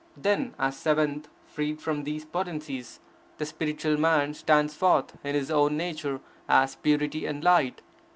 Then, as seventh, freed from these potencies, the spiritual man stands forth in his own nature as purity and light.